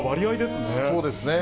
そうですね。